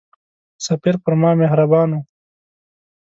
سفیر پر ما مهربان وو.